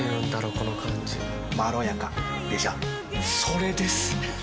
この感じまろやかでしょそれです！